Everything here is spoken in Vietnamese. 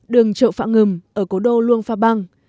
đường trậu phạ ngùm ở cố đô luông pha bang